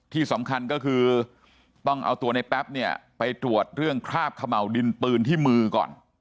ที่สำคัญก็คือต้องเอาตัวในแป๊บเนี่ยไปตรวจเรื่องคราบเขม่าวดินปืนที่มือก่อน